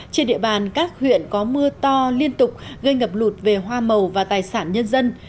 trên địa bàn các huyện có mưa to liên tục gây ngập lụt về hoa màu và tài sản nhân dân